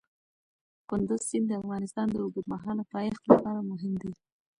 کندز سیند د افغانستان د اوږدمهاله پایښت لپاره مهم دی.